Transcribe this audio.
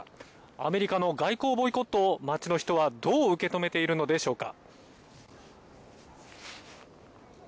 アメリカの外交ボイコットを町の人はどう受け止めているのでしょうか。